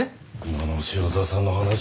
今の塩沢さんの話。